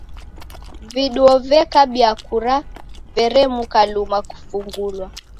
Viduo vekabia kura veremuka luma kufungulwa.